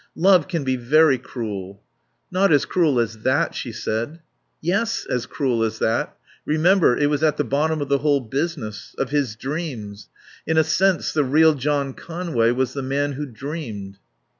"Love can be very cruel." "Not as cruel as that," she said. "Yes. As cruel as that.... Remember, it was at the bottom of the whole business. Of his dreams. In a sense, the real John Conway was the man who dreamed."